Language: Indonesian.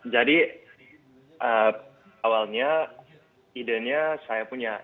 jadi awalnya idenya saya punya